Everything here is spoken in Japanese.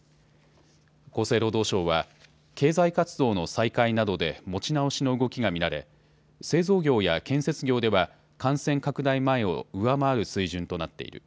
厚生労働省は経済活動の再開などで持ち直しの動きが見られ製造業や建設業では感染拡大前を上回る水準となっている。